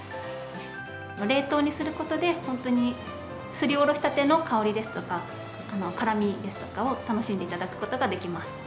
冷凍にすることで、本当にすりおろしたての香りですとか、辛みですとかを楽しんでいただくことができます。